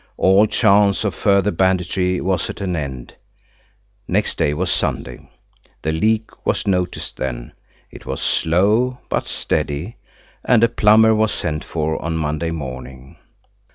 All chance of further banditry was at an end. Next day was Sunday. The leak was noticed then. It was slow, but steady, and a plumber was sent for on Monday morning.